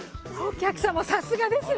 お客様さすがです。